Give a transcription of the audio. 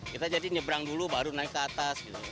kita jadi nyebrang dulu baru naik ke atas